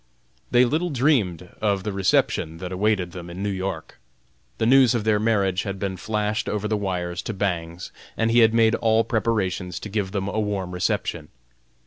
They little dreamed of the reception that awaited them in New York. The news of their marriage had been flashed over the wires to Bangs, and he had made all preparations to give them a warm reception.